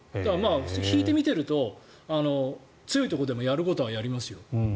引いて見てると、強いところでもやるところはやりますよ。